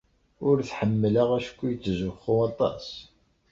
Ur t-ḥemmleɣ acku yettzuxxu aṭas.